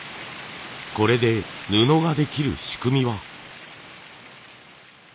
これで布ができる仕組みは。